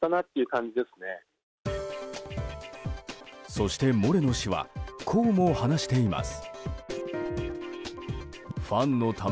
そして、モレノ氏はこうも話しています。